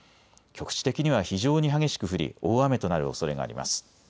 局地的には非常に激しく降り大雨となるおそれがあります。